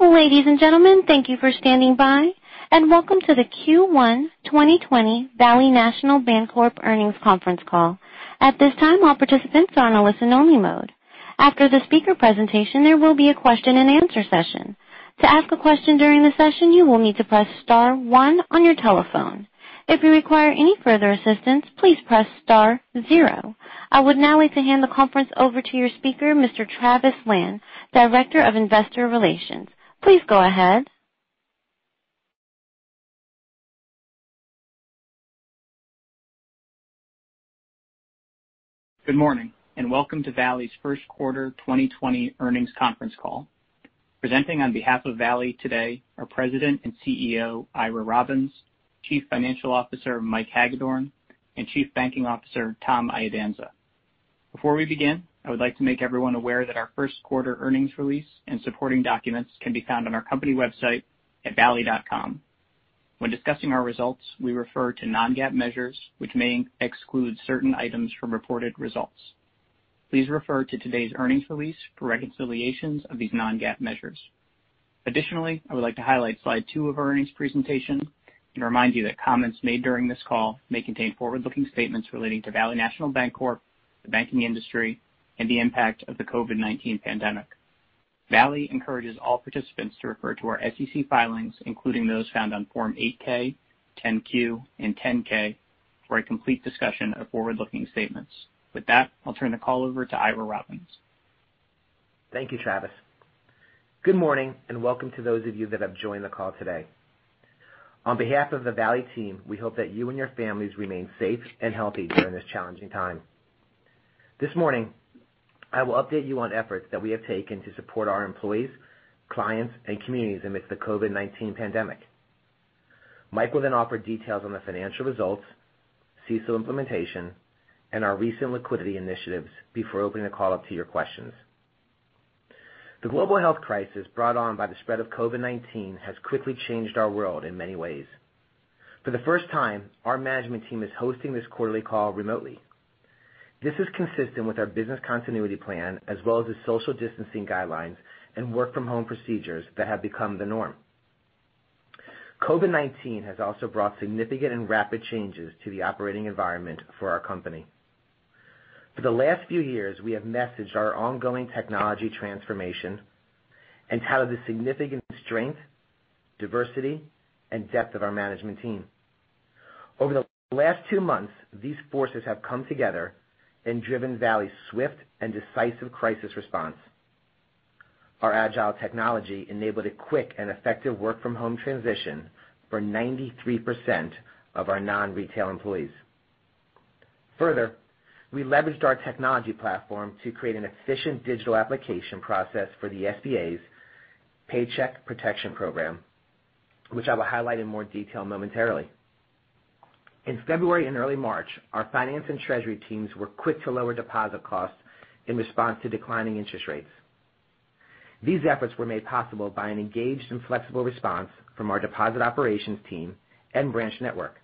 Ladies and gentlemen, thank you for standing by, and welcome to the Q1 2020 Valley National Bancorp earnings conference call. At this time, all participants are on a listen only mode. After the speaker presentation, there will be a question and answer session. To ask a question during the session, you will need to press star one on your telephone. If you require any further assistance, please press star zero. I would now like to hand the conference over to your speaker, Mr. Travis Lan, Director of Investor Relations. Please go ahead. Good morning, welcome to Valley's first quarter 2020 earnings conference call. Presenting on behalf of Valley today are President and CEO, Ira Robbins, Chief Financial Officer, Michael Hagedorn, and Chief Banking Officer, Thomas Iadanza. Before we begin, I would like to make everyone aware that our first quarter earnings release and supporting documents can be found on our company website at valley.com. When discussing our results, we refer to non-GAAP measures, which may exclude certain items from reported results. Please refer to today's earnings release for reconciliations of these non-GAAP measures. I would like to highlight slide two of our earnings presentation and remind you that comments made during this call may contain forward-looking statements relating to Valley National Bancorp, the banking industry, and the impact of the COVID-19 pandemic. Valley encourages all participants to refer to our SEC filings, including those found on Form 8-K, 10-Q, and 10-K, for a complete discussion of forward-looking statements. With that, I'll turn the call over to Ira Robbins. Thank you, Travis. Good morning, and welcome to those of you that have joined the call today. On behalf of the Valley team, we hope that you and your families remain safe and healthy during this challenging time. This morning, I will update you on efforts that we have taken to support our employees, clients, and communities amidst the COVID-19 pandemic. Mike will offer details on the financial results, CECL implementation, and our recent liquidity initiatives before opening the call up to your questions. The global health crisis brought on by the spread of COVID-19 has quickly changed our world in many ways. For the first time, our management team is hosting this quarterly call remotely. This is consistent with our business continuity plan as well as the social distancing guidelines and work from home procedures that have become the norm. COVID-19 has also brought significant and rapid changes to the operating environment for our company. For the last few years, we have messaged our ongoing technology transformation and touted the significant strength, diversity, and depth of our management team. Over the last two months, these forces have come together and driven Valley's swift and decisive crisis response. Our agile technology enabled a quick and effective work from home transition for 93% of our non-retail employees. Further, we leveraged our technology platform to create an efficient digital application process for the SBA's Paycheck Protection Program, which I will highlight in more detail momentarily. In February and early March, our finance and treasury teams were quick to lower deposit costs in response to declining interest rates. These efforts were made possible by an engaged and flexible response from our deposit operations team and branch network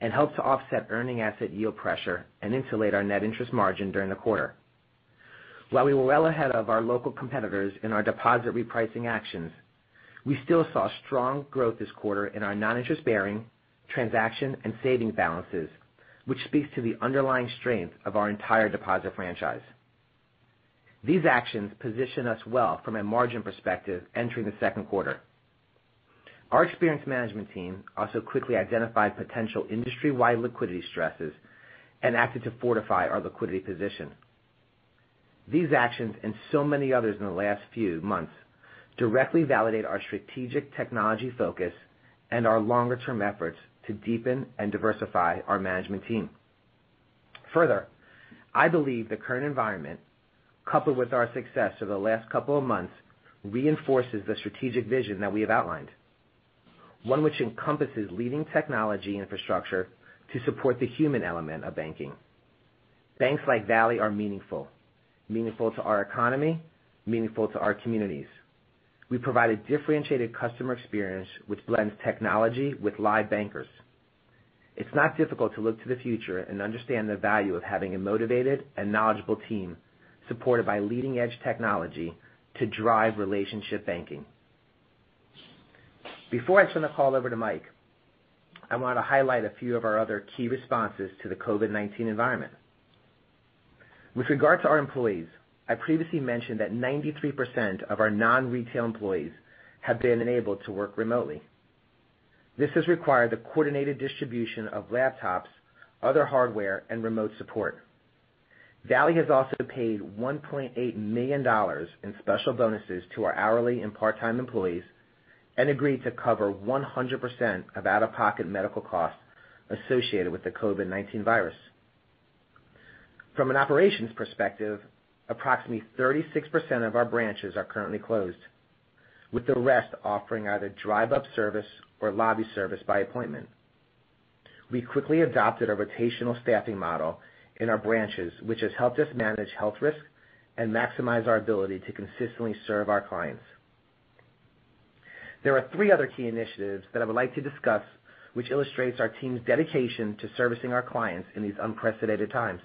and helped to offset earning asset yield pressure and insulate our net interest margin during the quarter. While we were well ahead of our local competitors in our deposit repricing actions, we still saw strong growth this quarter in our non-interest bearing transaction and saving balances, which speaks to the underlying strength of our entire deposit franchise. These actions position us well from a margin perspective entering the second quarter. Our experienced management team also quickly identified potential industry-wide liquidity stresses and acted to fortify our liquidity position. These actions and so many others in the last few months directly validate our strategic technology focus and our longer-term efforts to deepen and diversify our management team. I believe the current environment, coupled with our success over the last couple of months, reinforces the strategic vision that we have outlined. One which encompasses leading technology infrastructure to support the human element of banking. Banks like Valley are meaningful to our economy, meaningful to our communities. We provide a differentiated customer experience which blends technology with live bankers. It's not difficult to look to the future and understand the value of having a motivated and knowledgeable team supported by leading-edge technology to drive relationship banking. Before I turn the call over to Mike, I want to highlight a few of our other key responses to the COVID-19 environment. With regard to our employees, I previously mentioned that 93% of our non-retail employees have been enabled to work remotely. This has required the coordinated distribution of laptops, other hardware, and remote support. Valley has also paid $1.8 million in special bonuses to our hourly and part-time employees and agreed to cover 100% of out-of-pocket medical costs associated with the COVID-19 virus. From an operations perspective, approximately 36% of our branches are currently closed, with the rest offering either drive-up service or lobby service by appointment. We quickly adopted a rotational staffing model in our branches, which has helped us manage health risks and maximize our ability to consistently serve our clients. There are three other key initiatives that I would like to discuss which illustrates our team's dedication to servicing our clients in these unprecedented times.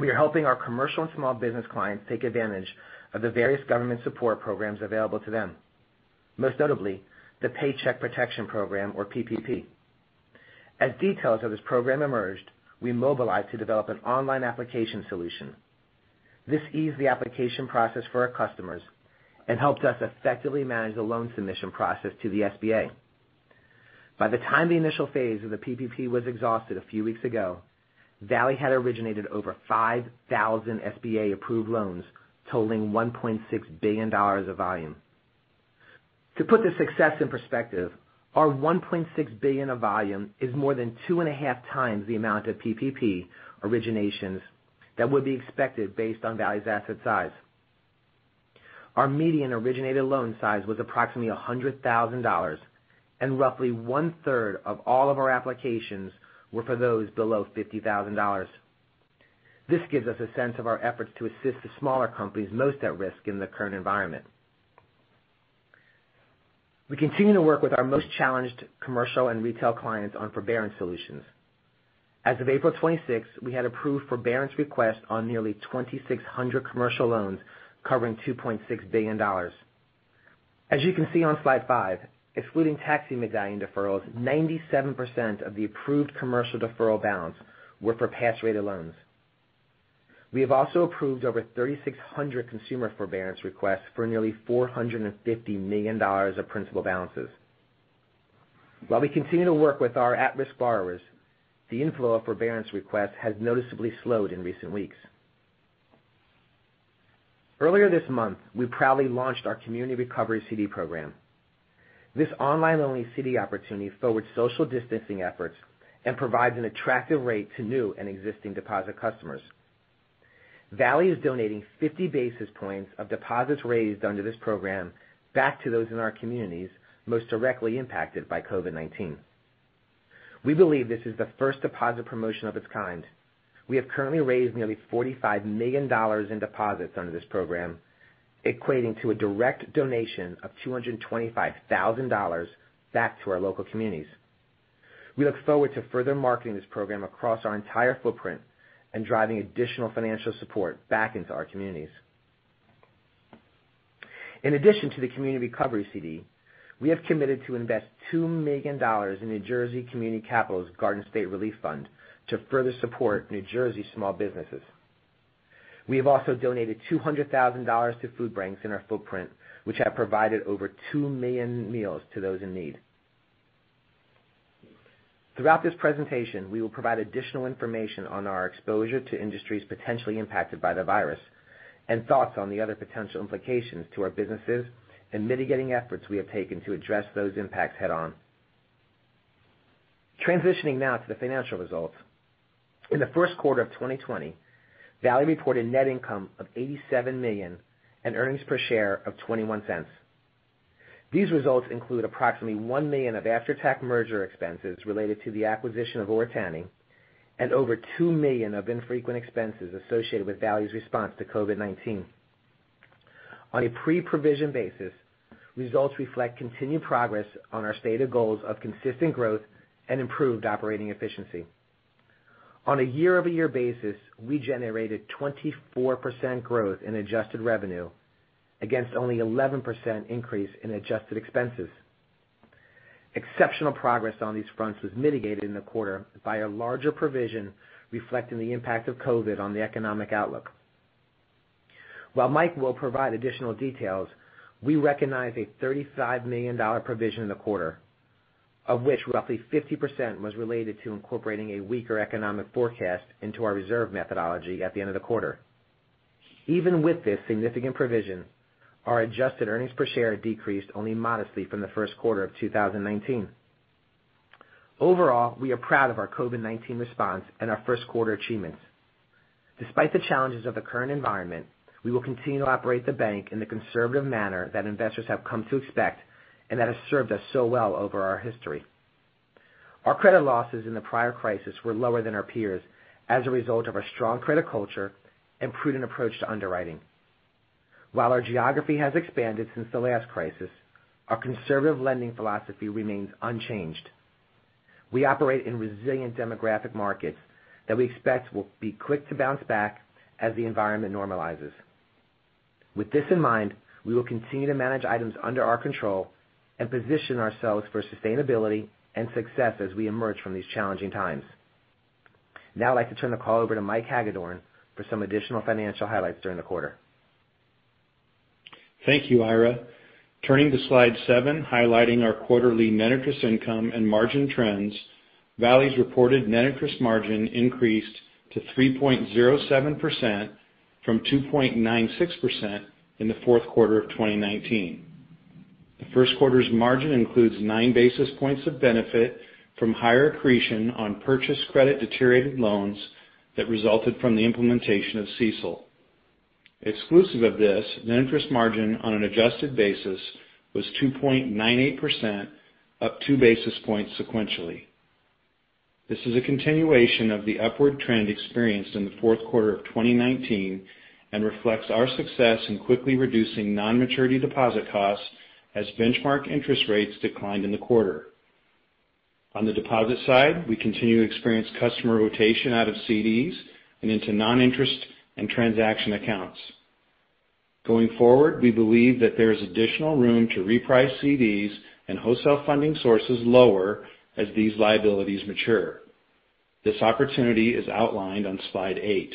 We are helping our commercial and small business clients take advantage of the various government support programs available to them, most notably the Paycheck Protection Program, or PPP. As details of this program emerged, we mobilized to develop an online application solution. This eased the application process for our customers and helped us effectively manage the loan submission process to the SBA. By the time the initial phase of the PPP was exhausted a few weeks ago, Valley had originated over 5,000 SBA-approved loans totaling $1.6 billion of volume. To put this success in perspective, our $1.6 billion of volume is more than two and a half times the amount of PPP originations that would be expected based on Valley's asset size. Our median originated loan size was approximately $100,000, and roughly one-third of all of our applications were for those below $50,000. This gives us a sense of our efforts to assist the smaller companies most at risk in the current environment. We continue to work with our most challenged commercial and retail clients on forbearance solutions. As of April 26, we had approved forbearance requests on nearly 2,600 commercial loans covering $2.6 billion. As you can see on slide five, excluding taxi medallion deferrals, 97% of the approved commercial deferral balance were for past-rated loans. We have also approved over 3,600 consumer forbearance requests for nearly $450 million of principal balances. While we continue to work with our at-risk borrowers, the inflow of forbearance requests has noticeably slowed in recent weeks. Earlier this month, we proudly launched our Community Recovery CD program. This online-only CD opportunity forwards social distancing efforts and provides an attractive rate to new and existing deposit customers. Valley is donating 50 basis points of deposits raised under this program back to those in our communities most directly impacted by COVID-19. We believe this is the first deposit promotion of its kind. We have currently raised nearly $45 million in deposits under this program, equating to a direct donation of $225,000 back to our local communities. We look forward to further marketing this program across our entire footprint and driving additional financial support back into our communities. In addition to the Community Recovery CD, we have committed to invest $2 million in New Jersey Community Capital's Garden State Relief Fund to further support New Jersey small businesses. We have also donated $200,000 to food banks in our footprint, which have provided over two million meals to those in need. Throughout this presentation, we will provide additional information on our exposure to industries potentially impacted by the virus and thoughts on the other potential implications to our businesses and mitigating efforts we have taken to address those impacts head-on. Transitioning now to the financial results. In the first quarter of 2020, Valley reported net income of $87 million and earnings per share of $0.21. These results include approximately $1 million of after-tax merger expenses related to the acquisition of Oritani and over $2 million of infrequent expenses associated with Valley's response to COVID-19. On a pre-provision basis, results reflect continued progress on our stated goals of consistent growth and improved operating efficiency. On a year-over-year basis, we generated 24% growth in adjusted revenue against only 11% increase in adjusted expenses. Exceptional progress on these fronts was mitigated in the quarter by a larger provision reflecting the impact of COVID on the economic outlook. While Mike will provide additional details, we recognize a $35 million provision in the quarter, of which roughly 50% was related to incorporating a weaker economic forecast into our reserve methodology at the end of the quarter. Even with this significant provision, our adjusted earnings per share decreased only modestly from the first quarter of 2019. Overall, we are proud of our COVID-19 response and our first quarter achievements. Despite the challenges of the current environment, we will continue to operate the bank in the conservative manner that investors have come to expect and that has served us so well over our history. Our credit losses in the prior crisis were lower than our peers as a result of our strong credit culture and prudent approach to underwriting. While our geography has expanded since the last crisis, our conservative lending philosophy remains unchanged. We operate in resilient demographic markets that we expect will be quick to bounce back as the environment normalizes. With this in mind, we will continue to manage items under our control and position ourselves for sustainability and success as we emerge from these challenging times. Now I'd like to turn the call over to Mike Hagedorn for some additional financial highlights during the quarter. Thank you, Ira. Turning to slide seven, highlighting our quarterly net interest income and margin trends. Valley's reported net interest margin increased to 3.07% from 2.96% in the fourth quarter of 2019. The first quarter's margin includes nine basis points of benefit from higher accretion on purchased credit-deteriorated loans that resulted from the implementation of CECL. Exclusive of this, net interest margin on an adjusted basis was 2.98%, up two basis points sequentially. This is a continuation of the upward trend experienced in the fourth quarter of 2019 and reflects our success in quickly reducing non-maturity deposit costs as benchmark interest rates declined in the quarter. On the deposit side, we continue to experience customer rotation out of CDs and into non-interest and transaction accounts. Going forward, we believe that there is additional room to reprice CDs and wholesale funding sources lower as these liabilities mature. This opportunity is outlined on slide eight.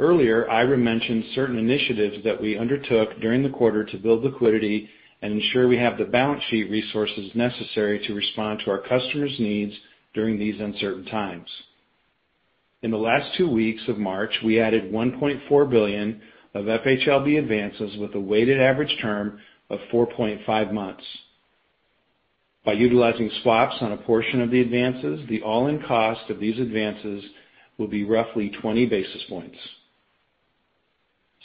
Earlier, Ira mentioned certain initiatives that we undertook during the quarter to build liquidity and ensure we have the balance sheet resources necessary to respond to our customers' needs during these uncertain times. In the last two weeks of March, we added $1.4 billion of Federal Home Loan Banks advances with a weighted average term of 4.5 months. By utilizing swaps on a portion of the advances, the all-in cost of these advances will be roughly 20 basis points.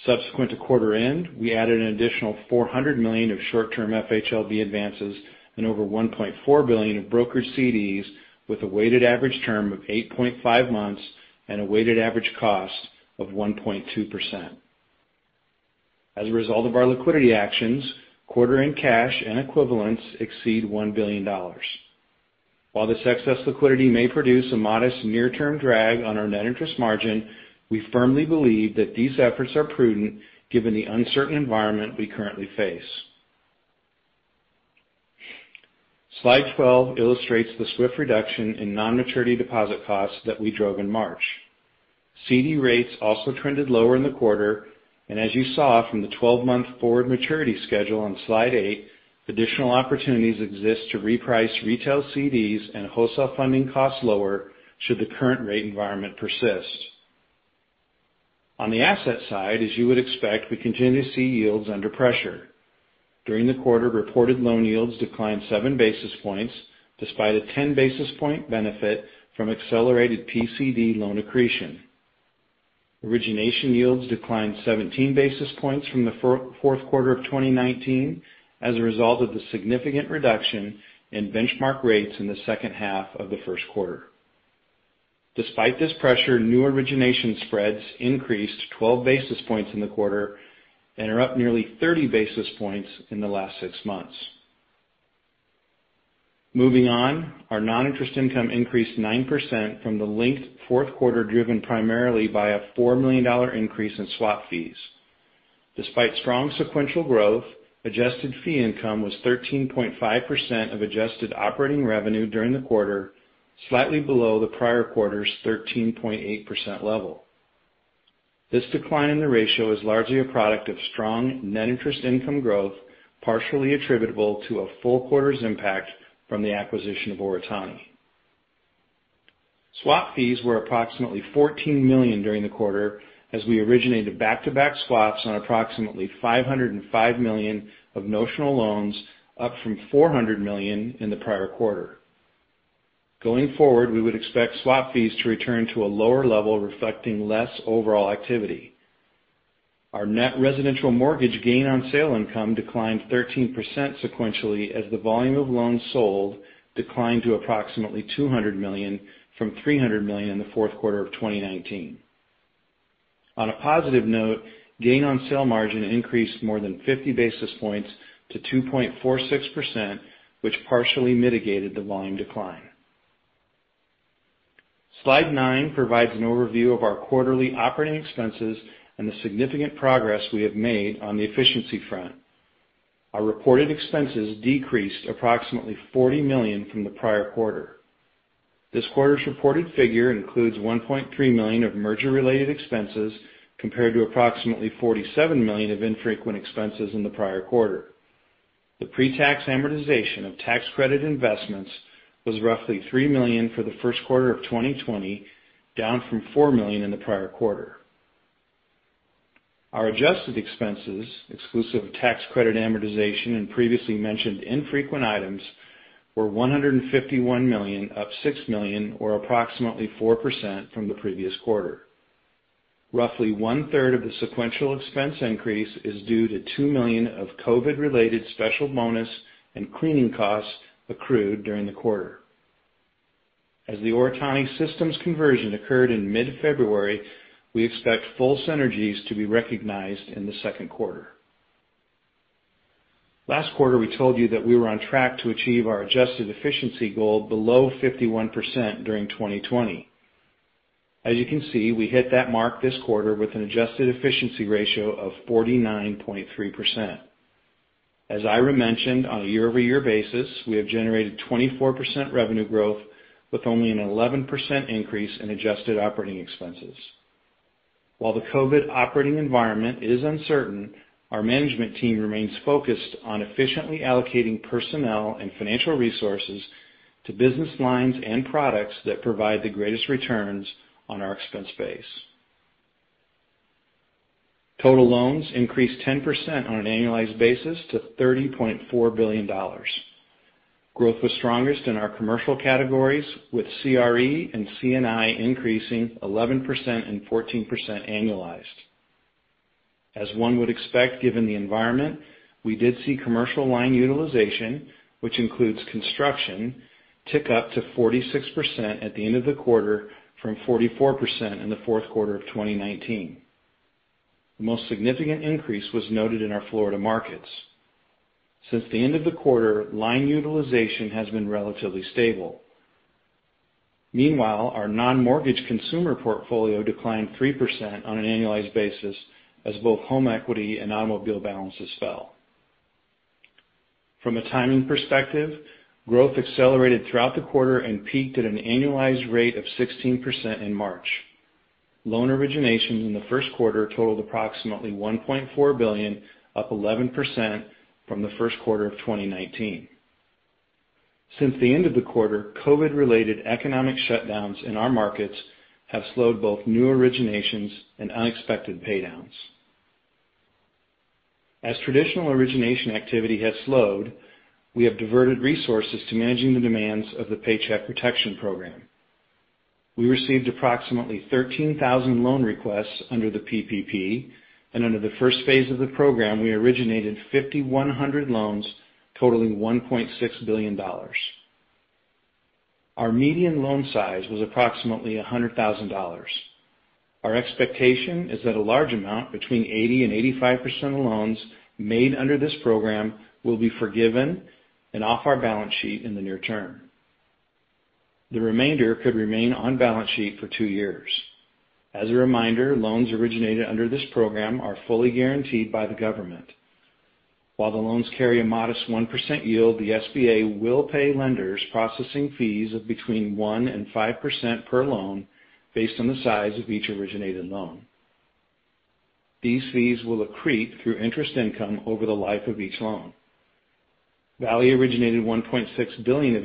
Subsequent to quarter end, we added an additional $400 million of short-term Federal Home Loan Banks advances and over $1.4 billion in brokered CDs with a weighted average term of 8.5 months and a weighted average cost of 1.2%. As a result of our liquidity actions, quarter-end cash and equivalents exceed $1 billion. While this excess liquidity may produce a modest near-term drag on our net interest margin, we firmly believe that these efforts are prudent given the uncertain environment we currently face. Slide 12 illustrates the swift reduction in non-maturity deposit costs that we drove in March. CD rates also trended lower in the quarter, and as you saw from the 12-month forward maturity schedule on slide eight, additional opportunities exist to reprice retail CDs and wholesale funding costs lower should the current rate environment persist. On the asset side, as you would expect, we continue to see yields under pressure. During the quarter, reported loan yields declined seven basis points despite a 10 basis point benefit from accelerated PCD loan accretion. Origination yields declined 17 basis points from the fourth quarter of 2019 as a result of the significant reduction in benchmark rates in the second half of the first quarter. Despite this pressure, new origination spreads increased 12 basis points in the quarter and are up nearly 30 basis points in the last six months. Our non-interest income increased 9% from the linked fourth quarter, driven primarily by a $4 million increase in swap fees. Despite strong sequential growth, adjusted fee income was 13.5% of adjusted operating revenue during the quarter, slightly below the prior quarter's 13.8% level. This decline in the ratio is largely a product of strong net interest income growth, partially attributable to a full quarter's impact from the acquisition of Oritani. Swap fees were approximately $14 million during the quarter, as we originated back-to-back swaps on approximately $505 million of notional loans, up from $400 million in the prior quarter. Going forward, we would expect swap fees to return to a lower level, reflecting less overall activity. Our net residential mortgage gain on sale income declined 13% sequentially as the volume of loans sold declined to approximately $200 million from $300 million in the fourth quarter of 2019. On a positive note, gain on sale margin increased more than 50 basis points to 2.46%, which partially mitigated the volume decline. Slide nine provides an overview of our quarterly operating expenses and the significant progress we have made on the efficiency front. Our reported expenses decreased approximately $40 million from the prior quarter. This quarter's reported figure includes $1.3 million of merger-related expenses, compared to approximately $47 million of infrequent expenses in the prior quarter. The pre-tax amortization of tax credit investments was roughly $3 million for the first quarter of 2020, down from $4 million in the prior quarter. Our adjusted expenses, exclusive of tax credit amortization and previously mentioned infrequent items, were $151 million, up $6 million or approximately 4% from the previous quarter. Roughly one-third of the sequential expense increase is due to $2 million of COVID-related special bonus and cleaning costs accrued during the quarter. As the Oritani systems conversion occurred in mid-February, we expect full synergies to be recognized in the second quarter. Last quarter, we told you that we were on track to achieve our adjusted efficiency goal below 51% during 2020. As Ira mentioned, on a year-over-year basis, we have generated 24% revenue growth with only an 11% increase in adjusted operating expenses. While the COVID operating environment is uncertain, our management team remains focused on efficiently allocating personnel and financial resources to business lines and products that provide the greatest returns on our expense base. Total loans increased 10% on an annualized basis to $30.4 billion. Growth was strongest in our commercial categories, with CRE and C&I increasing 11% and 14% annualized. As one would expect given the environment, we did see commercial line utilization, which includes construction, tick up to 46% at the end of the quarter from 44% in the fourth quarter of 2019. The most significant increase was noted in our Florida markets. Since the end of the quarter, line utilization has been relatively stable. Meanwhile, our non-mortgage consumer portfolio declined 3% on an annualized basis as both home equity and automobile balances fell. From a timing perspective, growth accelerated throughout the quarter and peaked at an annualized rate of 16% in March. Loan originations in the first quarter totaled approximately $1.4 billion, up 11% from the first quarter of 2019. Since the end of the quarter, COVID-related economic shutdowns in our markets have slowed both new originations and unexpected paydowns. As traditional origination activity has slowed, we have diverted resources to managing the demands of the Paycheck Protection Program. We received approximately 13,000 loan requests under the PPP, and under the first phase of the program, we originated 5,100 loans totaling $1.6 billion. Our median loan size was approximately $100,000. Our expectation is that a large amount, between 80% and 85% of loans made under this program, will be forgiven and off our balance sheet in the near term. The remainder could remain on the balance sheet for two years. As a reminder, loans originated under this program are fully guaranteed by the government. While the loans carry a modest 1% yield, the SBA will pay lenders processing fees of between 1% and 5% per loan based on the size of each originated loan. These fees will accrete through interest income over the life of each loan. Valley originated $1.6 billion of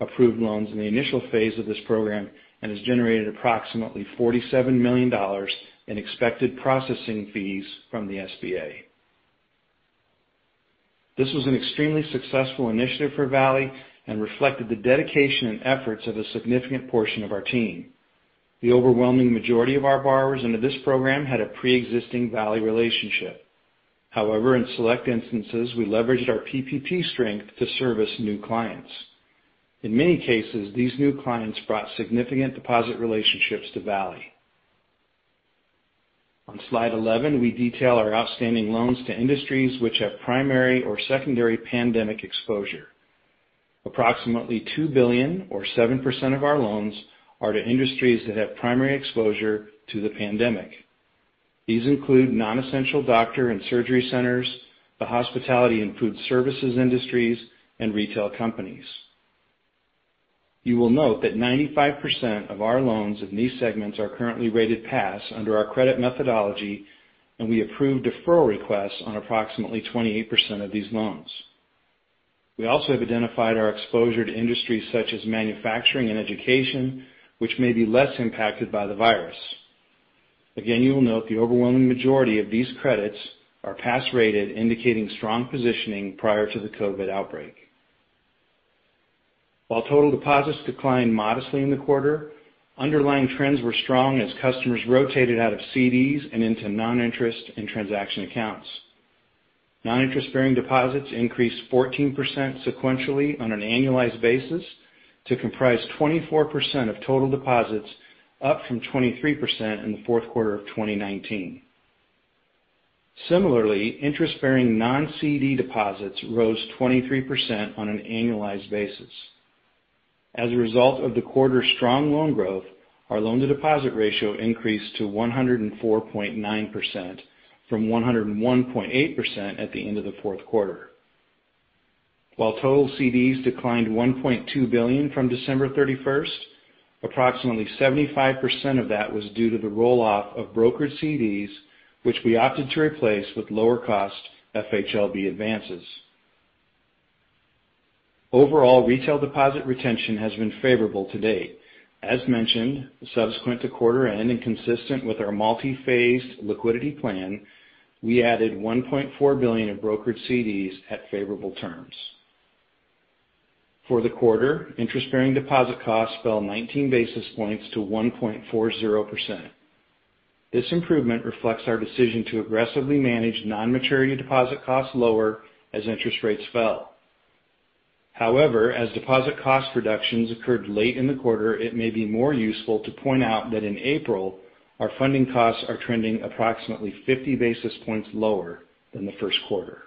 SBA-approved loans in the initial phase of this program and has generated approximately $47 million in expected processing fees from the SBA. This was an extremely successful initiative for Valley and reflected the dedication and efforts of a significant portion of our team. The overwhelming majority of our borrowers under this program had a preexisting Valley relationship. However, in select instances, we leveraged our PPP strength to service new clients. In many cases, these new clients brought significant deposit relationships to Valley. On slide 11, we detail our outstanding loans to industries which have primary or secondary pandemic exposure. Approximately $2 billion, or 7% of our loans, are to industries that have primary exposure to the pandemic. These include non-essential doctor and surgery centers, the hospitality and food services industries, and retail companies. You will note that 95% of our loans in these segments are currently rated pass under our credit methodology, and we approved deferral requests on approximately 28% of these loans. We also have identified our exposure to industries such as manufacturing and education, which may be less impacted by the virus. Again, you will note the overwhelming majority of these credits are pass-rated, indicating strong positioning prior to the COVID-19 outbreak. While total deposits declined modestly in the quarter, underlying trends were strong as customers rotated out of CDs and into non-interest and transaction accounts. Non-interest-bearing deposits increased 14% sequentially on an annualized basis to comprise 24% of total deposits, up from 23% in the fourth quarter of 2019. Similarly, interest-bearing non-CD deposits rose 23% on an annualized basis. As a result of the quarter's strong loan growth, our loan-to-deposit ratio increased to 104.9%, from 101.8% at the end of the fourth quarter. While total CDs declined $1.2 billion from December 31st, approximately 75% of that was due to the roll-off of brokered CDs, which we opted to replace with lower-cost FHLB advances. Overall, retail deposit retention has been favorable to date. As mentioned, subsequent to quarter end, and consistent with our multi-phased liquidity plan, we added $1.4 billion in brokered CDs at favorable terms. For the quarter, interest-bearing deposit costs fell 19 basis points to 1.40%. This improvement reflects our decision to aggressively manage non-maturity deposit costs lower as interest rates fell. As deposit cost reductions occurred late in the quarter, it may be more useful to point out that in April, our funding costs are trending approximately 50 basis points lower than the first quarter.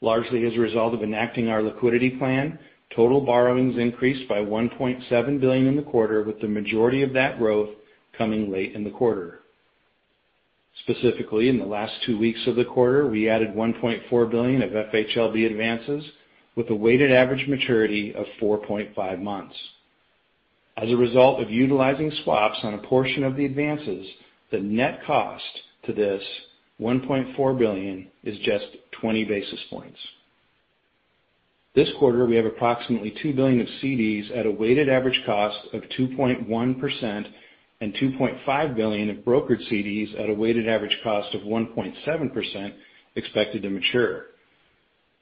Largely as a result of enacting our liquidity plan, total borrowings increased by $1.7 billion in the quarter, with the majority of that growth coming late in the quarter. Specifically, in the last two weeks of the quarter, we added $1.4 billion of FHLB advances with a weighted average maturity of 4.5 months. As a result of utilizing swaps on a portion of the advances, the net cost to this $1.4 billion is just 20 basis points. This quarter, we have approximately $2 billion of CDs at a weighted average cost of 2.1% and $2.5 billion of brokered CDs at a weighted average cost of 1.7% expected to mature.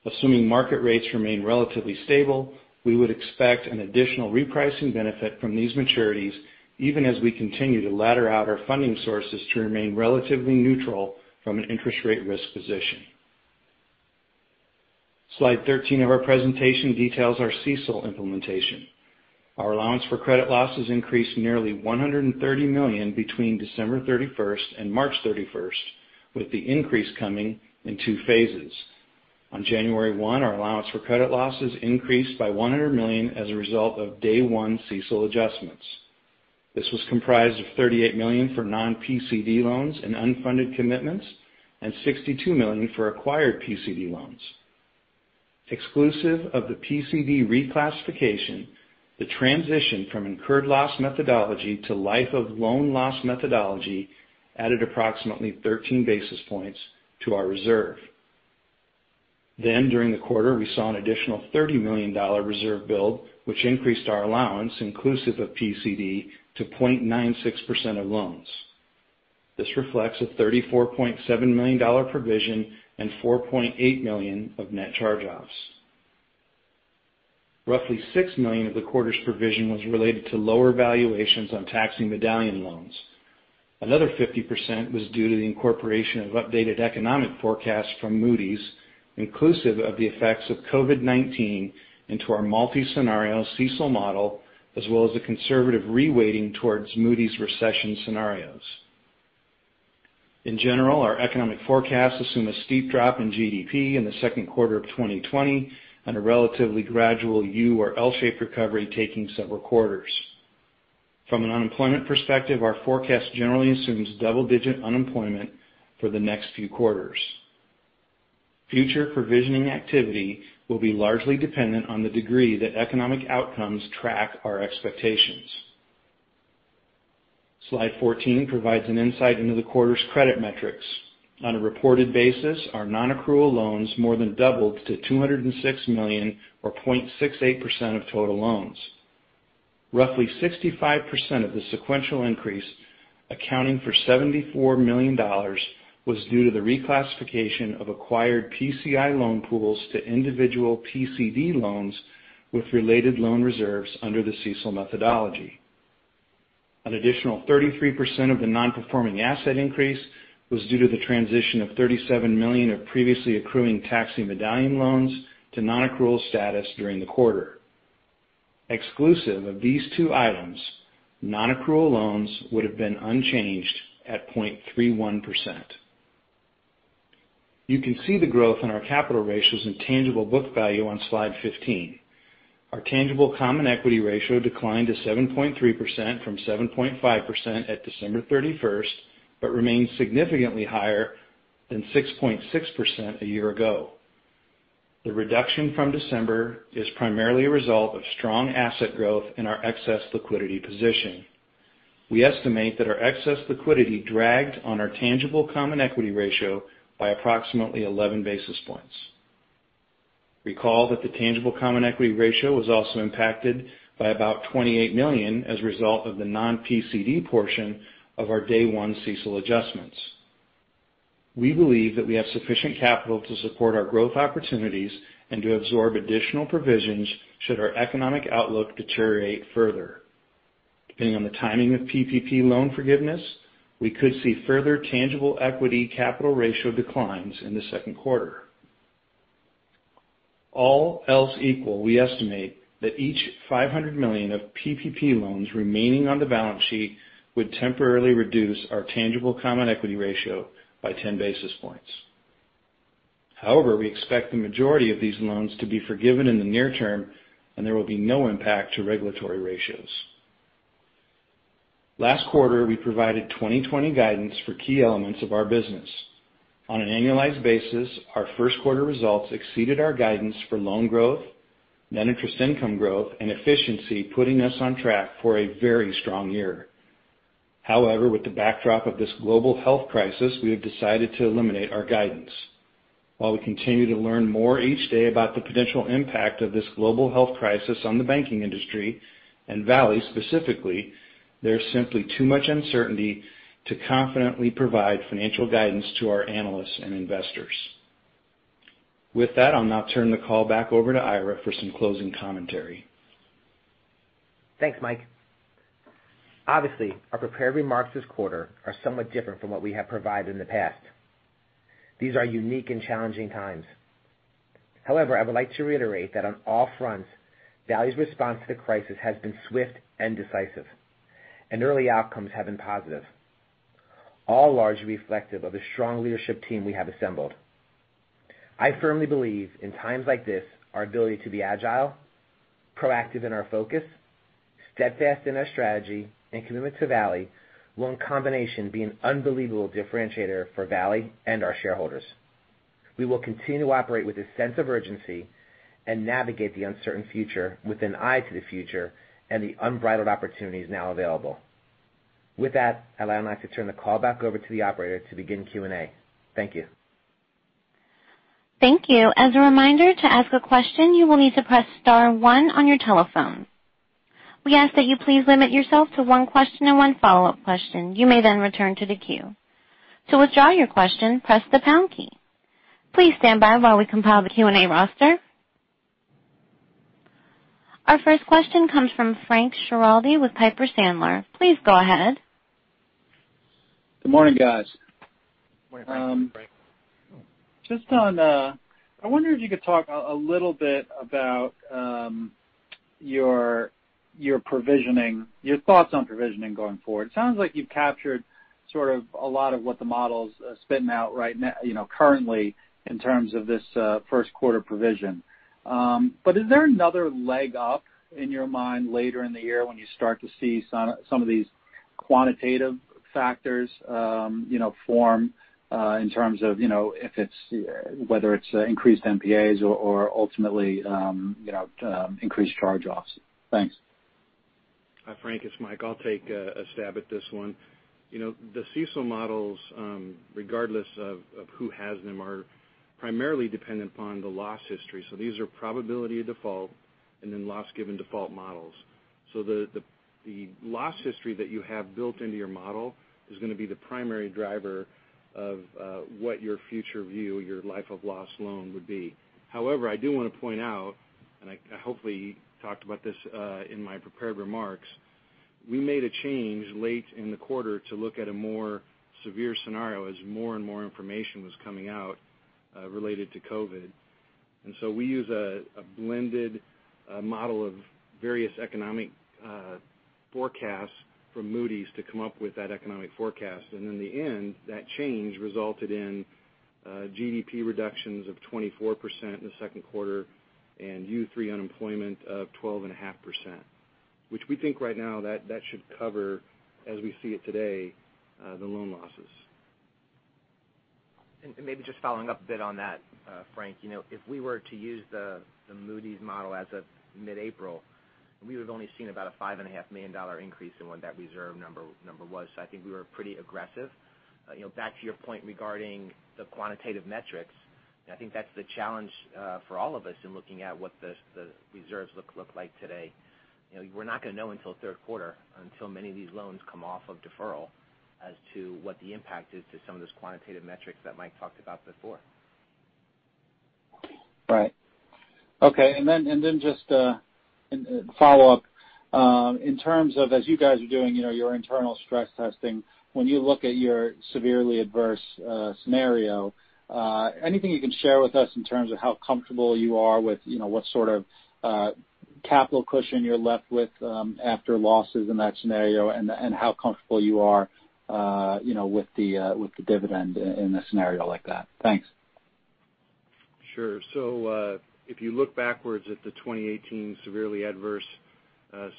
Assuming market rates remain relatively stable, we would expect an additional repricing benefit from these maturities even as we continue to ladder out our funding sources to remain relatively neutral from an interest rate risk position. Slide 13 of our presentation details our CECL implementation. Our allowance for credit losses increased nearly $130 million between December 31st and March 31st, with the increase coming in two phases. On January 1, our allowance for credit losses increased by $100 million as a result of day one CECL adjustments. This was comprised of $38 million for non-PCD loans and unfunded commitments, and $62 million for acquired PCD loans. Exclusive of the PCD reclassification, the transition from incurred loss methodology to life of loan loss methodology added approximately 13 basis points to our reserve. During the quarter, we saw an additional $30 million reserve build, which increased our allowance inclusive of PCD to 0.96% of loans. This reflects a $34.7 million provision and $4.8 million of net charge-offs. Roughly $6 million of the quarter's provision was related to lower valuations on taxi medallion loans. Another 50% was due to the incorporation of updated economic forecasts from Moody's, inclusive of the effects of COVID-19 into our multi-scenario CECL model, as well as the conservative re-weighting towards Moody's recession scenarios. In general, our economic forecasts assume a steep drop in GDP in the second quarter of 2020 on a relatively gradual U or L-shaped recovery taking several quarters. From an unemployment perspective, our forecast generally assumes double-digit unemployment for the next few quarters. Future provisioning activity will be largely dependent on the degree that economic outcomes track our expectations. Slide 14 provides an insight into the quarter's credit metrics. On a reported basis, our non-accrual loans more than doubled to $206 million or 0.68% of total loans. Roughly 65% of the sequential increase, accounting for $74 million, was due to the reclassification of acquired PCI loan pools to individual PCD loans with related loan reserves under the CECL methodology. An additional 33% of the non-performing asset increase was due to the transition of $37 million of previously accruing taxi medallion loans to non-accrual status during the quarter. Exclusive of these two items, non-accrual loans would've been unchanged at 0.31%. You can see the growth in our capital ratios and tangible book value on slide 15. Our tangible common equity ratio declined to 7.3% from 7.5% at December 31st, but remains significantly higher than 6.6% a year ago. The reduction from December is primarily a result of strong asset growth in our excess liquidity position. We estimate that our excess liquidity dragged on our tangible common equity ratio by approximately 11 basis points. Recall that the tangible common equity ratio was also impacted by about $28 million as a result of the non-PCD portion of our day one CECL adjustments. We believe that we have sufficient capital to support our growth opportunities and to absorb additional provisions should our economic outlook deteriorate further. Depending on the timing of PPP loan forgiveness, we could see further tangible equity capital ratio declines in the second quarter. All else equal, we estimate that each $500 million of PPP loans remaining on the balance sheet would temporarily reduce our tangible common equity ratio by 10 basis points. However, we expect the majority of these loans to be forgiven in the near term, and there will be no impact to regulatory ratios. Last quarter, we provided 2020 guidance for key elements of our business. On an annualized basis, our first quarter results exceeded our guidance for loan growth, net interest income growth, and efficiency, putting us on track for a very strong year. However, with the backdrop of this global health crisis, we have decided to eliminate our guidance. While we continue to learn more each day about the potential impact of this global health crisis on the banking industry and Valley specifically, there's simply too much uncertainty to confidently provide financial guidance to our analysts and investors. With that, I'll now turn the call back over to Ira for some closing commentary. Thanks, Mike. Obviously, our prepared remarks this quarter are somewhat different from what we have provided in the past. These are unique and challenging times. However, I would like to reiterate that on all fronts, Valley's response to the crisis has been swift and decisive, and early outcomes have been positive, all largely reflective of the strong leadership team we have assembled. I firmly believe in times like this, our ability to be agile, proactive in our focus, steadfast in our strategy, and commitment to Valley will in combination be an unbelievable differentiator for Valley and our shareholders. We will continue to operate with a sense of urgency and navigate the uncertain future with an eye to the future and the unbridled opportunities now available. With that, I'd now like to turn the call back over to the operator to begin Q&A. Thank you. Thank you. As a reminder, to ask a question, you will need to press star one on your telephone. We ask that you please limit yourself to one question and one follow-up question. You may then return to the queue. To withdraw your question, press the pound key. Please stand by while we compile the Q&A roster. Our first question comes from Frank Schiraldi with Piper Sandler. Please go ahead. Good morning, guys. Morning, Frank. I wonder if you could talk a little bit about your thoughts on provisioning going forward. It sounds like you've captured sort of a lot of what the model's spitting out right now currently in terms of this first quarter provision. Is there another leg up in your mind later in the year when you start to see some of these quantitative factors form in terms of whether it's increased NPAs or ultimately increased charge-offs? Thanks. Hi, Frank, it's Mike. I'll take a stab at this one. The CECL models, regardless of who has them, are primarily dependent upon the loss history. These are probability of default and then loss given default models. The loss history that you have built into your model is going to be the primary driver of what your future view, your life of loss loan would be. However, I do want to point out, and I hopefully talked about this in my prepared remarks, we made a change late in the quarter to look at a more severe scenario as more and more information was coming out related to COVID. We use a blended model of various economic forecasts from Moody's to come up with that economic forecast. In the end, that change resulted in GDP reductions of 24% in the second quarter and U3 unemployment of 12.5%, which we think right now that should cover, as we see it today, the loan losses. Maybe just following up a bit on that, Frank, if we were to use the Moody's model as of mid-April, we would have only seen about a $5.5 million increase in what that reserve number was. I think we were pretty aggressive. Back to your point regarding the quantitative metrics, and I think that's the challenge for all of us in looking at what the reserves look like today. We're not going to know until third quarter, until many of these loans come off of deferral as to what the impact is to some of those quantitative metrics that Mike talked about before. Right. Okay. Just a follow-up. In terms of as you guys are doing your internal stress testing, when you look at your severely adverse scenario anything you can share with us in terms of how comfortable you are with what sort of capital cushion you're left with after losses in that scenario and how comfortable you are with the dividend in a scenario like that? Thanks. Sure. If you look backwards at the 2018 severely adverse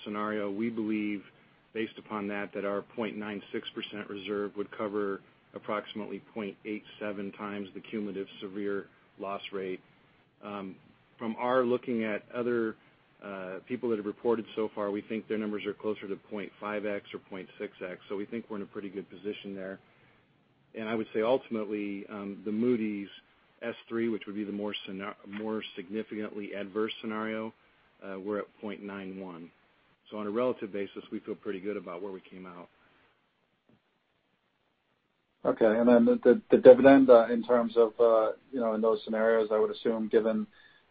scenario, we believe based upon that our 0.96% reserve would cover approximately 0.87 times the cumulative severe loss rate. From our looking at other people that have reported so far, we think their numbers are closer to 0.5x or 0.6x. We think we're in a pretty good position there. I would say ultimately, the Moody's S3, which would be the more significantly adverse scenario we're at 0.91. On a relative basis, we feel pretty good about where we came out. Okay. The dividend in terms of in those scenarios, I would assume given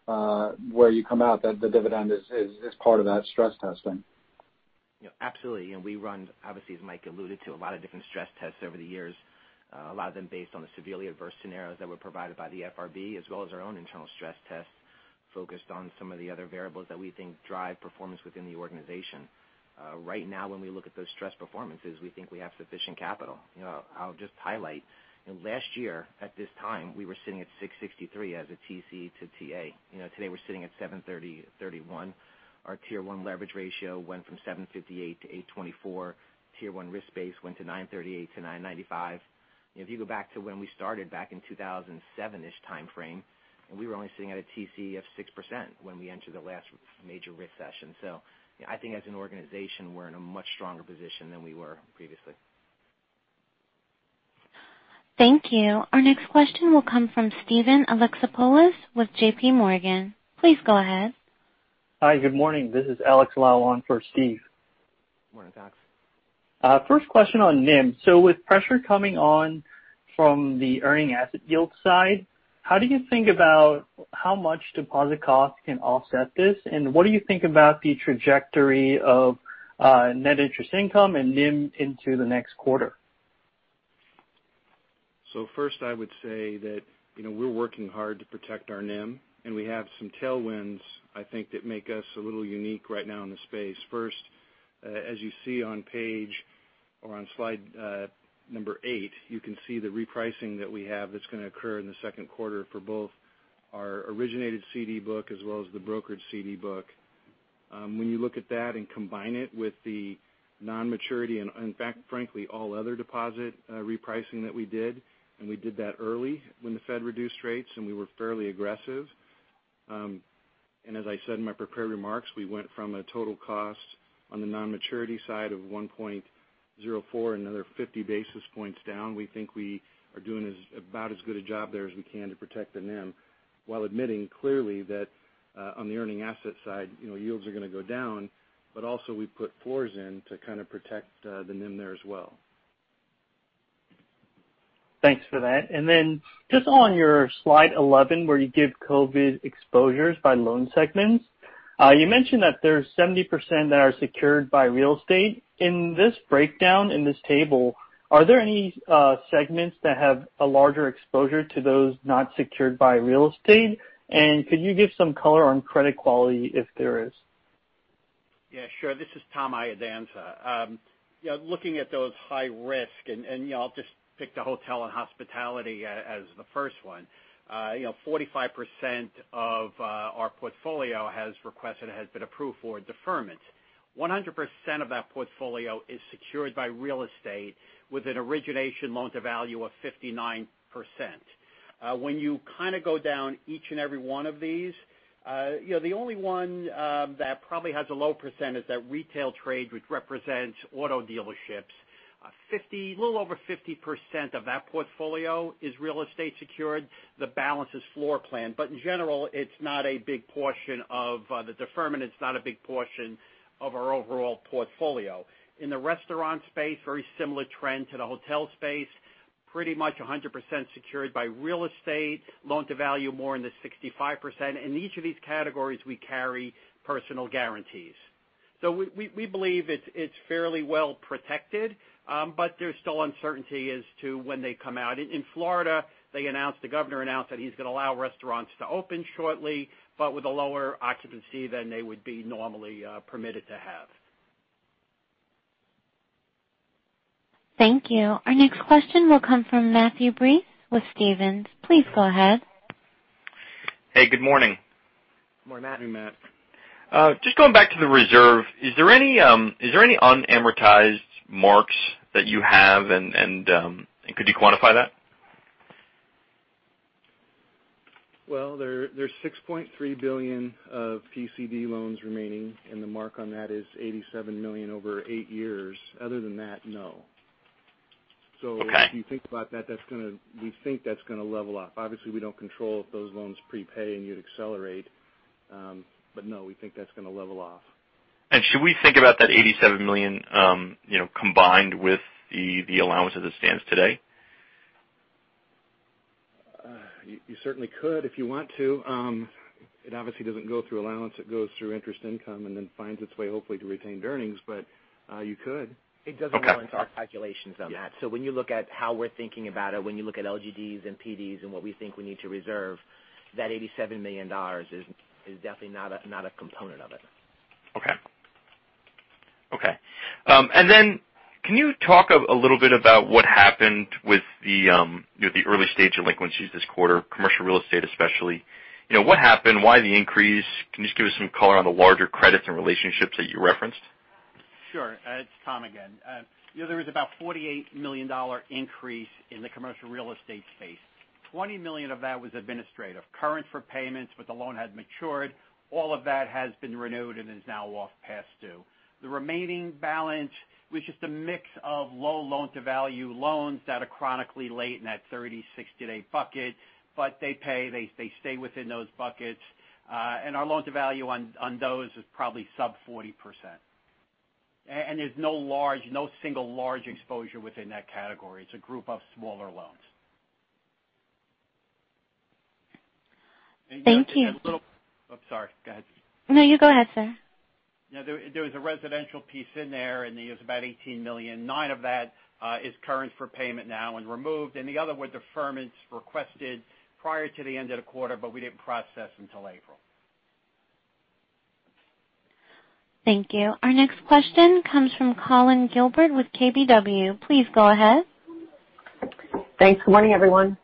where you come out that the dividend is part of that stress testing. Absolutely. We run, obviously, as Mike alluded to, a lot of different stress tests over the years, a lot of them based on the severely adverse scenarios that were provided by the FRB as well as our own internal stress tests focused on some of the other variables that we think drive performance within the organization. Right now when we look at those stress performances, we think we have sufficient capital. I'll just highlight. Last year at this time, we were sitting at 663% as a TCE to TA. Today we're sitting at 730.31%. Our Tier 1 leverage ratio went from 758% to 824%. Tier 1 risk base went to 938% to 995%. If you go back to when we started back in 2007-ish timeframe, we were only sitting at a TCE of 6% when we entered the last major recession. I think as an organization, we're in a much stronger position than we were previously. Thank you. Our next question will come from Steven Alexopoulos with JPMorgan. Please go ahead. Hi, good morning. This is Alex filling in for Steve. Morning, Alex. First question on NIM. With pressure coming on from the earning asset yield side, how do you think about how much deposit cost can offset this? What do you think about the trajectory of net interest income and NIM into the next quarter? First I would say that we're working hard to protect our NIM, and we have some tailwinds I think that make us a little unique right now in the space. First, as you see on page or on slide number eight, you can see the repricing that we have that's going to occur in the second quarter for both our originated CD book as well as the brokered CD book. When you look at that and combine it with the non-maturity and frankly, all other deposit repricing that we did, and we did that early when the Fed reduced rates, and we were fairly aggressive. As I said in my prepared remarks, we went from a total cost on the non-maturity side of $1.04, another 50 basis points down. We think we are doing about as good a job there as we can to protect the NIM, while admitting clearly that on the earning asset side yields are going to go down, but also we've put floors in to kind of protect the NIM there as well. Thanks for that. Then just on your slide 11, where you give COVID exposures by loan segments. You mentioned that there's 70% that are secured by real estate. In this breakdown, in this table, are there any segments that have a larger exposure to those not secured by real estate? Could you give some color on credit quality if there is? Yeah, sure. This is Thomas Iadanza. Looking at those high risk, and I'll just pick the hotel and hospitality as the first one. 45% of our portfolio has requested, has been approved for a deferment. 100% of that portfolio is secured by real estate with an origination loan to value of 59%. When you go down each and every one of these, the only one that probably has a low percent is that retail trade, which represents auto dealerships. A little over 50% of that portfolio is real estate secured. The balance is floor plan. In general, the deferment is not a big portion of our overall portfolio. In the restaurant space, very similar trend to the hotel space. Pretty much 100% secured by real estate. Loan to value more in the 65%. In each of these categories, we carry personal guarantees. We believe it's fairly well protected, but there's still uncertainty as to when they come out. In Florida, the governor announced that he's going to allow restaurants to open shortly, but with a lower occupancy than they would be normally permitted to have. Thank you. Our next question will come from Matthew Breese with Stephens Inc.. Please go ahead. Hey, good morning. Morning, Matt. Hey, Matt. Just going back to the reserve, is there any unamortized marks that you have and could you quantify that? Well, there's $6.3 billion of PCD loans remaining, and the mark on that is $87 million over eight years. Other than that, no. Okay. If you think about that, we think that's going to level off. Obviously, we don't control if those loans prepay and you'd accelerate. No, we think that's going to level off. Should we think about that $87 million combined with the allowance as it stands today? You certainly could if you want to. It obviously doesn't go through allowance. It goes through interest income and then finds its way hopefully to retained earnings, but you could. Okay. It doesn't go into our calculations on that. When you look at how we're thinking about it, when you look at LGDs and PDs and what we think we need to reserve, that $87 million is definitely not a component of it. Okay. Can you talk a little bit about what happened with the early stage delinquencies this quarter, commercial real estate especially. What happened? Why the increase? Can you just give us some color on the larger credits and relationships that you referenced? Sure. It's Tom again. There was about $48 million increase in the commercial real estate space. $20 million of that was administrative. Current for payments, the loan had matured. All of that has been renewed and is now off past due. The remaining balance was just a mix of low loan to value loans that are chronically late in that 30, 60-day bucket, they pay. They stay within those buckets. Our loan to value on those is probably sub 40%. There's no single large exposure within that category. It's a group of smaller loans. Thank you. I'm sorry. Go ahead. No, you go ahead, sir. There was a residential piece in there, and it was about $18 million. Nine of that is current for payment now and removed, and the other were deferments requested prior to the end of the quarter, but we didn't process until April. Thank you. Our next question comes from Collyn Gilbert with KBW. Please go ahead. Thanks. Good morning, everyone.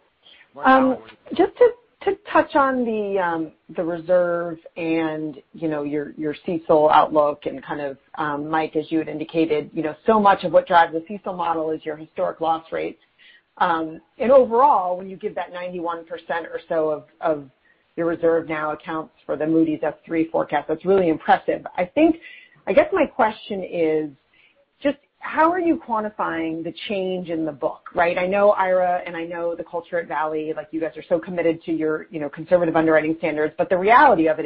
Morning. Just to touch on the reserve and your CECL outlook and kind of, Mike, as you had indicated, so much of what drives the CECL model is your historic loss rates. Overall, when you give that 91% or so of your reserve now accounts for the Moody's S3 forecast, that's really impressive. I guess my question is just how are you quantifying the change in the book, right? I know Ira and I know the culture at Valley, you guys are so committed to your conservative underwriting standards. The reality of it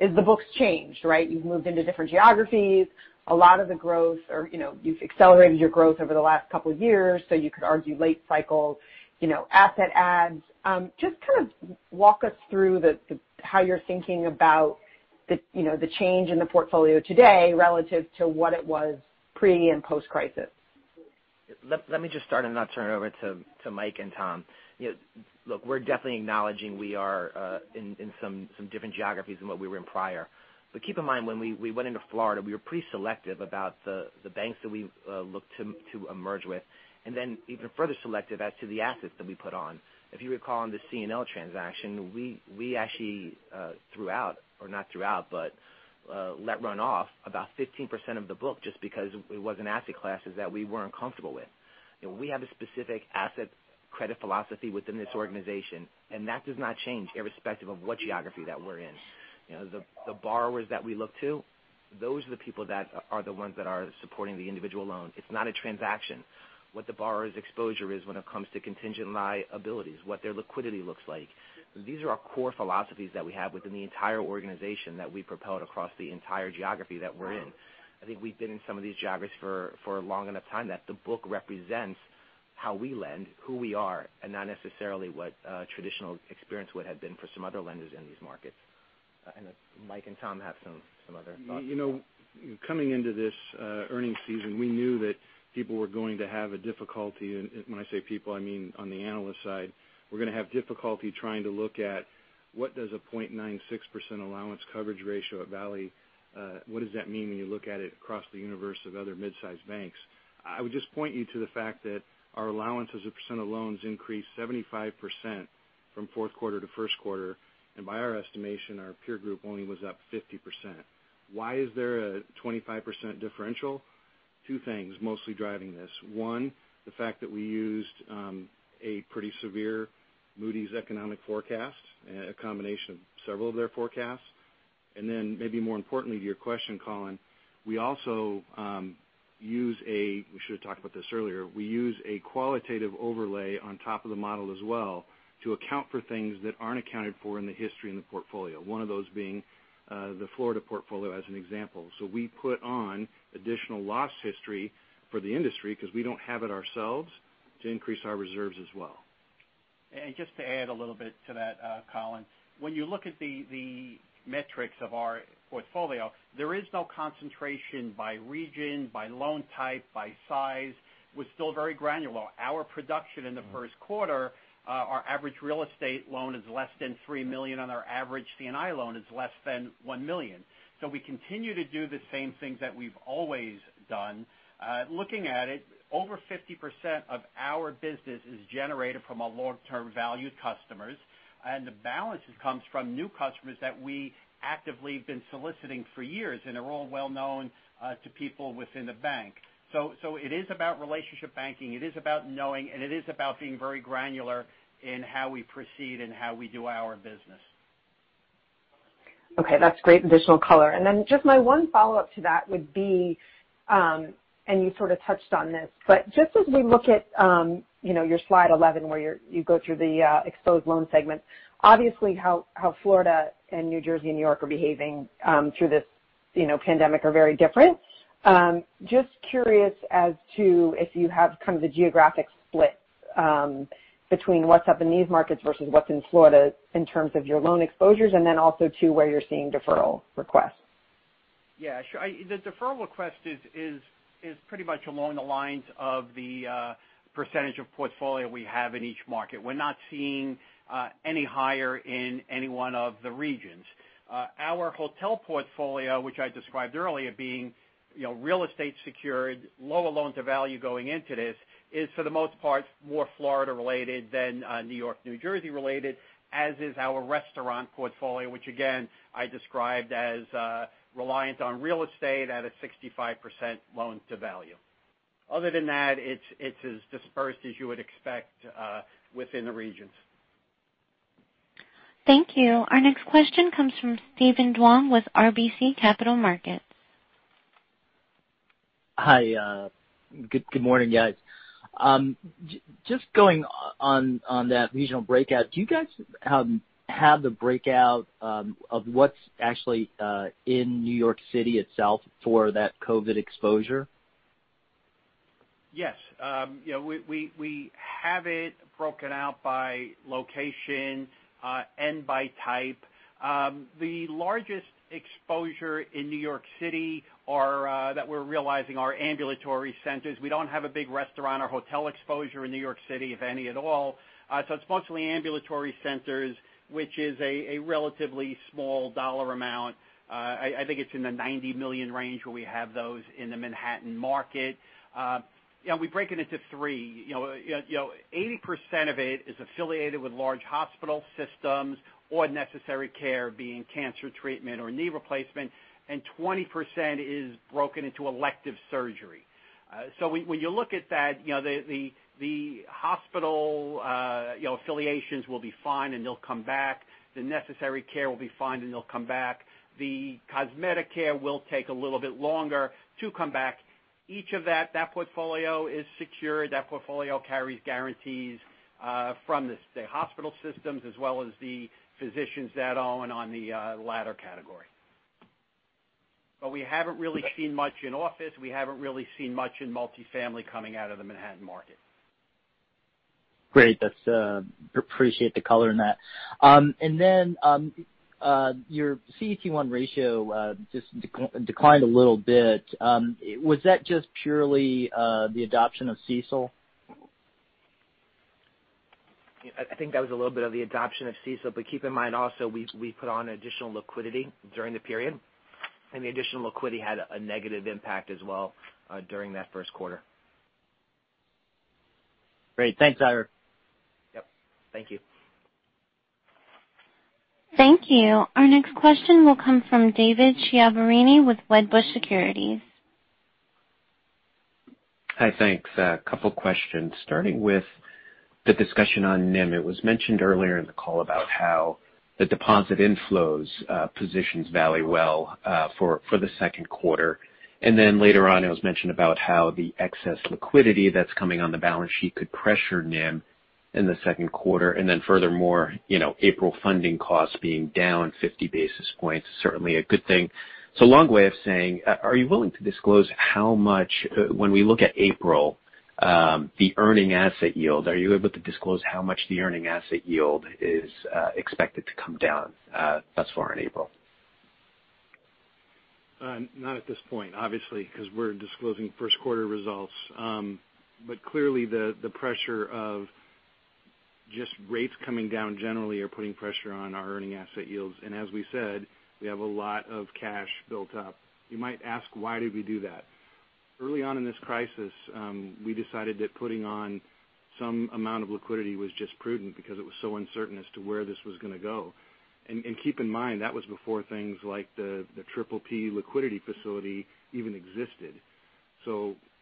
is the book's changed, right? You've moved into different geographies. You've accelerated your growth over the last couple of years, so you could argue late cycle, asset adds. Just kind of walk us through how you're thinking about the change in the portfolio today relative to what it was pre and post-crisis. Let me just start and then I'll turn it over to Mike and Tom. Look, we're definitely acknowledging we are in some different geographies than what we were in prior. Keep in mind, when we went into Florida, we were pretty selective about the banks that we looked to emerge with. Even further selective as to the assets that we put on. If you recall, on the CNL transaction, we actually throughout, or not throughout, but let run off about 15% of the book just because it was an asset classes that we weren't comfortable with. We have a specific asset credit philosophy within this organization, and that does not change irrespective of what geography that we're in. The borrowers that we look to, those are the people that are the ones that are supporting the individual loan. It's not a transaction. What the borrower's exposure is when it comes to contingent liabilities, what their liquidity looks like. These are our core philosophies that we have within the entire organization that we propelled across the entire geography that we're in. I think we've been in some of these geographies for a long enough time that the book represents how we lend, who we are, and not necessarily what a traditional experience would have been for some other lenders in these markets. I know Mike and Tom have some other thoughts as well. Coming into this earnings season, we knew that people were going to have a difficulty. When I say people, I mean on the analyst side. We're going to have difficulty trying to look at what does a 0.96% allowance coverage ratio at Valley, what does that mean when you look at it across the universe of other mid-size banks? I would just point you to the fact that our allowance as a percent of loans increased 75% from fourth quarter to first quarter, and by our estimation, our peer group only was up 50%. Why is there a 25% differential? Two things mostly driving this. One, the fact that we used a pretty severe Moody's economic forecast, a combination of several of their forecasts. Maybe more importantly to your question, Collyn, we should've talked about this earlier. We use a qualitative overlay on top of the model as well to account for things that aren't accounted for in the history in the portfolio. One of those being the Florida portfolio as an example. We put on additional loss history for the industry because we don't have it ourselves to increase our reserves as well. Just to add a little bit to that, Collyn. When you look at the metrics of our portfolio, there is no concentration by region, by loan type, by size. We're still very granular. Our production in the first quarter, our average real estate loan is less than $3 million, and our average C&I loan is less than $1 million. We continue to do the same things that we've always done. Looking at it, over 50% of our business is generated from our long-term valued customers. The balance comes from new customers that we actively have been soliciting for years, and are all well-known to people within the bank. It is about relationship banking, it is about knowing, and it is about being very granular in how we proceed and how we do our business. Okay, that's great additional color. Then just my one follow-up to that would be, and you sort of touched on this. Just as we look at your slide 11 where you go through the exposed loan segment. Obviously, how Florida and New Jersey and New York are behaving through this pandemic are very different. Just curious as to if you have kind of the geographic split between what's up in these markets versus what's in Florida in terms of your loan exposures, and then also too where you're seeing deferral requests. Yeah, sure. The deferral request is pretty much along the lines of the percentage of portfolio we have in each market. We're not seeing any higher in any one of the regions. Our hotel portfolio, which I described earlier being real estate secured, lower loan to value going into this, is for the most part more Florida related than New York, New Jersey related, as is our restaurant portfolio, which again, I described as reliant on real estate at a 65% loan to value. Other than that, it's as dispersed as you would expect within the regions. Thank you. Our next question comes from Steven Duong with RBC Capital Markets. Hi. Good morning, guys. Just going on that regional breakout, do you guys have the breakout of what's actually in New York City itself for that COVID exposure? Yes. We have it broken out by location and by type. The largest exposure in New York City that we're realizing are ambulatory centers. We don't have a big restaurant or hotel exposure in New York City, if any at all. It's mostly ambulatory centers, which is a relatively small dollar amount. I think it's in the $90 million range where we have those in the Manhattan market. We break it into three. 80% of it is affiliated with large hospital systems or necessary care, being cancer treatment or knee replacement, and 20% is broken into elective surgery. When you look at that, the hospital affiliations will be fine, and they'll come back. The necessary care will be fine, and they'll come back. The cosmetic care will take a little bit longer to come back. Each of that portfolio is secured. That portfolio carries guarantees from the hospital systems as well as the physicians that own on the latter category. We haven't really seen much in office. We haven't really seen much in multifamily coming out of the Manhattan market. Great. Appreciate the color in that. Your CET1 ratio just declined a little bit. Was that just purely the adoption of CECL? I think that was a little bit of the adoption of CECL. Keep in mind also, we put on additional liquidity during the period. The additional liquidity had a negative impact as well during that first quarter. Great. Thanks, Ira. Yep. Thank you. Thank you. Our next question will come from David Chiaverini with Wedbush Securities. Hi. Thanks. A couple of questions starting with the discussion on NIM. It was mentioned earlier in the call about how the deposit inflows positions Valley well for the second quarter. Later on, it was mentioned about how the excess liquidity that's coming on the balance sheet could pressure NIM. In the second quarter, furthermore, April funding costs being down 50 basis points is certainly a good thing. It's a long way of saying, are you willing to disclose how much, when we look at April, the earning asset yield, are you able to disclose how much the earning asset yield is expected to come down thus far in April? Not at this point, obviously, because we're disclosing first quarter results. Clearly, the pressure of just rates coming down generally are putting pressure on our earning asset yields. As we said, we have a lot of cash built up. You might ask, why did we do that? Early on in this crisis, we decided that putting on some amount of liquidity was just prudent because it was so uncertain as to where this was going to go. Keep in mind, that was before things like the Triple P liquidity facility even existed.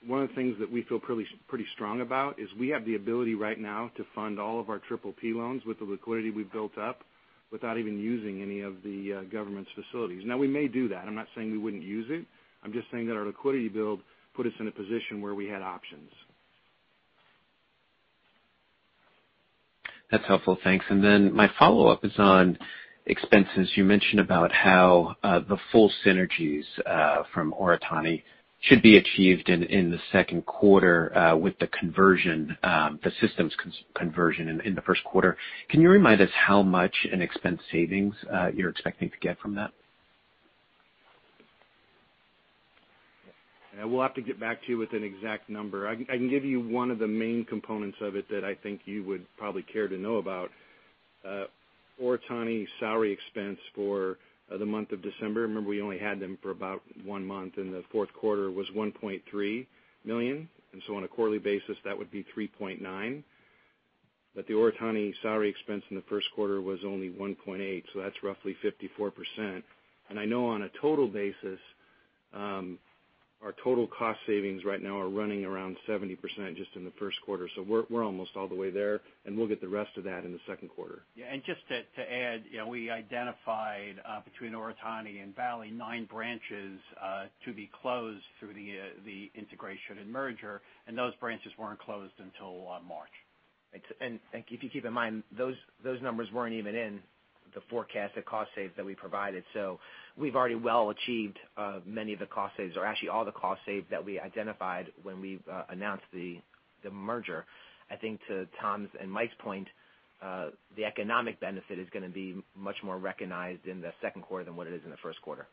One of the things that we feel pretty strong about is we have the ability right now to fund all of our Triple P loans with the liquidity we've built up without even using any of the government's facilities. Now, we may do that. I'm not saying we wouldn't use it. I'm just saying that our liquidity build put us in a position where we had options. That's helpful. Thanks. My follow-up is on expenses. You mentioned about how the full synergies from Oritani should be achieved in the second quarter with the systems conversion in the first quarter. Can you remind us how much in expense savings you're expecting to get from that? We'll have to get back to you with an exact number. I can give you one of the main components of it that I think you would probably care to know about. Oritani salary expense for the month of December, remember, we only had them for about one month in the fourth quarter, was $1.3 million. On a quarterly basis, that would be $3.9 million. The Oritani salary expense in the first quarter was only $1.8 million, so that's roughly 54%. I know on a total basis, our total cost savings right now are running around 70% just in the first quarter. We're almost all the way there, and we'll get the rest of that in the second quarter. Yeah, just to add, we identified between Oritani and Valley nine branches to be closed through the integration and merger, and those branches weren't closed until March. If you keep in mind, those numbers weren't even in the forecasted cost saves that we provided. We've already well achieved many of the cost saves or actually all the cost saves that we identified when we announced the merger. I think to Tom's and Mike's point, the economic benefit is going to be much more recognized in the second quarter than what it is in the first quarter.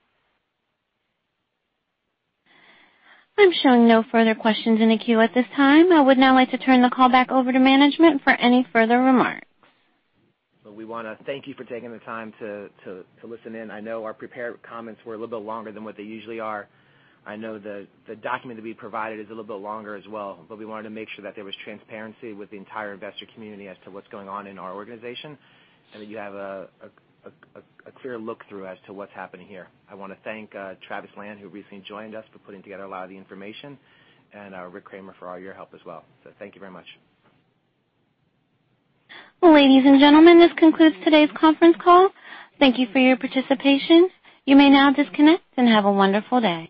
I'm showing no further questions in the queue at this time. I would now like to turn the call back over to management for any further remarks. We want to thank you for taking the time to listen in. I know our prepared comments were a little bit longer than what they usually are. I know the document that we provided is a little bit longer as well. We wanted to make sure that there was transparency with the entire investor community as to what's going on in our organization, and that you have a clear look-through as to what's happening here. I want to thank Travis Lan, who recently joined us, for putting together a lot of the information, and Rick Kraemer for all your help as well. Thank you very much. Ladies and gentlemen, this concludes today's conference call. Thank you for your participation. You may now disconnect and have a wonderful day.